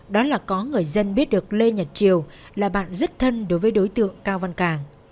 đó là có người dân biết được lê nhật triều là bạn rất thân đối với đối tượng cao văn càng